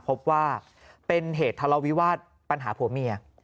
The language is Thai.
พบว่าเป็นเหตุทะเลาวิวาสปัญหาผัวเมีย